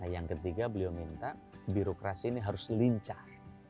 yang ketiga beliau minta birokrasi ini harus lincah